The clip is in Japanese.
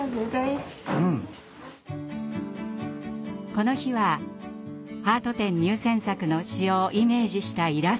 この日はハート展入選作の詩をイメージしたイラストを描きました。